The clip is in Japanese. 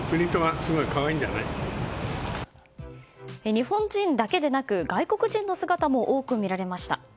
日本人だけでなく外国人の姿も多くみられました。